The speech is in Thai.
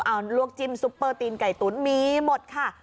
เอาลวกจิ้มซุปเปอร์ตีนไก่ตุ๋นมีหมดค่ะ